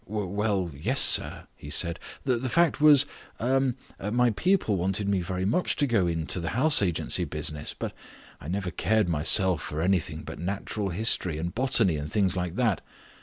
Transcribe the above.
"W well, yes, sir," he said. "The fact was er my people wanted me very much to go into the house agency business. But I never cared myself for anything but natural history and botany and things like that.